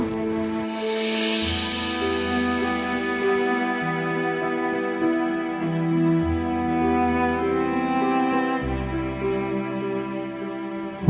ya allah